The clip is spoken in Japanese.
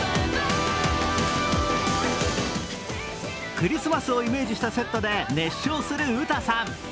クリスマスをイメージしたセットで熱唱するウタさん。